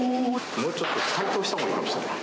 もうちょっと解凍したほうがいいかもしれない。